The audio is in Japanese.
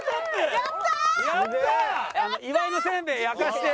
やったー！